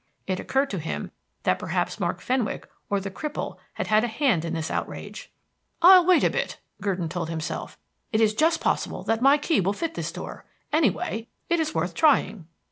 It occurred to him that perhaps Mark Fenwick or the cripple had had a hand in this outrage. "I'll wait a bit," Gurdon told himself. "It is just possible that my key will fit this door. Anyway, it is worth trying."